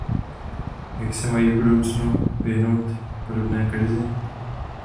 Jak se mají v budoucnu vyhnout podobné krizi?